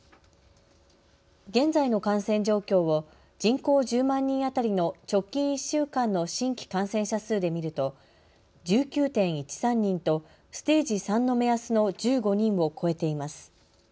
現在の感染状況を人口１０万人当たりの直近１週間の新規感染者数で見ると１９．１３人とステージ３の目安の１５人を超えています。